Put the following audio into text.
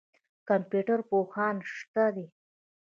کمپیوټر پوهان شته دي.